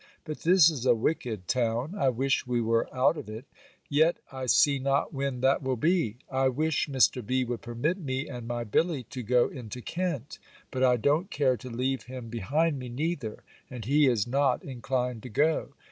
But this is a wicked town. I wish we were out of it. Yet I see not when that will be. I wish Mr. B. would permit me and my Billy to go into Kent. But I don't care to leave him behind me, neither; and he is not inclined to go.